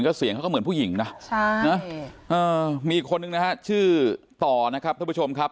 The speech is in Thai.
ก็เสียงเขาก็เหมือนผู้หญิงนะมีคนหนึ่งนะฮะชื่อต่อนะครับท่านผู้ชมครับ